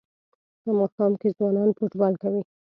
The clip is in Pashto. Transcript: په ماښام کې ځوانان فوټبال کوي.